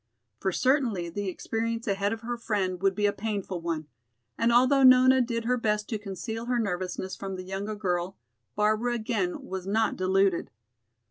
For certainly the experience ahead of her friend would be a painful one, and although Nona did her best to conceal her nervousness from the younger girl, Barbara again was not deluded.